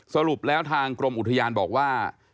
สรุปแล้วทางกรมอุทยานบอกว่า